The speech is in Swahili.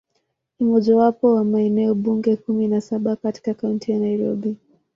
Ni mojawapo wa maeneo bunge kumi na saba katika Kaunti ya Nairobi.